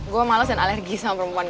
gue males dan alergi sama perempuan kayak lo